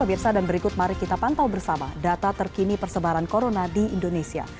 pemirsa dan berikut mari kita pantau bersama data terkini persebaran corona di indonesia